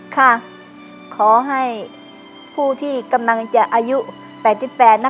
ค่ะขอให้ผู้ที่กำลังจะอายุ๘๘นะคะ